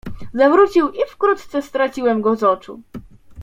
"Zawrócił i wkrótce straciłem go z oczu."